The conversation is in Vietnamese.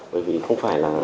bởi vì không phải là